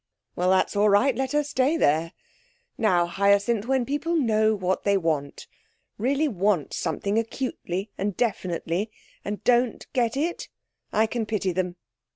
'Well, that's all right. Let her stay there. Now, Hyacinth, when people know what they want really want something acutely and definitely and don't get it, I can pity them.